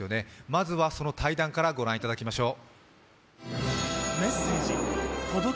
まずはその対談から御覧いただきましょう。